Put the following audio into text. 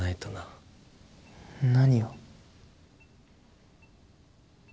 何を？